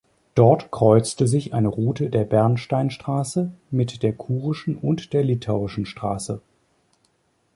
Dort kreuzte sich eine Route der Bernsteinstraße mit der kurischen und der litauischen Straße.